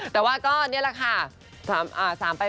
แต่ว่าก็นี่แหละค่ะ